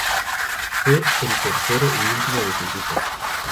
Fue el tercero y último de sus hijos.